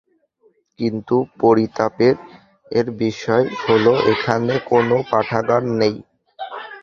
কিন্তু পরিতাপের বিষয় হলো এখানে কোনো পাঠাগার নেই।